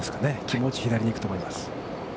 気持ち左に行くと思います。